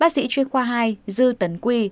bác sĩ chuyên khoa hai dư tấn quy